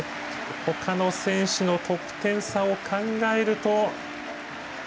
他の選手の得点差を考えると。